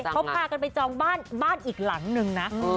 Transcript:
เขาพากันไปจองบ้านอีกหลังนึงนะ